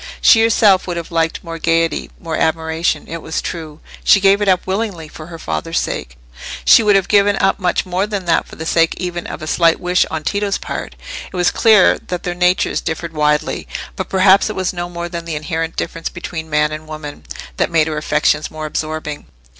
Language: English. She herself would have liked more gaiety, more admiration: it was true, she gave it up willingly for her father's sake—she would have given up much more than that for the sake even of a slight wish on Tito's part. It was clear that their natures differed widely; but perhaps it was no more than the inherent difference between man and woman, that made her affections more absorbing.